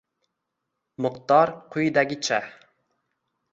Miqdor quyidagicha: